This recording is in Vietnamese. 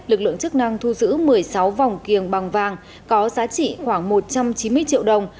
lực lượng chức năng thu giữ một mươi sáu vòng kiềng bằng vàng có giá trị khoảng một trăm chín mươi triệu đồng